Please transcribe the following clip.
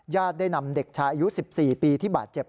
ได้นำเด็กชายอายุ๑๔ปีที่บาดเจ็บ